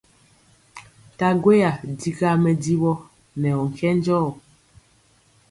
Nta gweya digaa mɛdivɔ nɛ ɔ nkɛnjɔɔ.